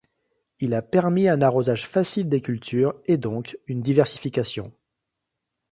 Il a permis un arrosage facile des cultures et, donc, une diversification.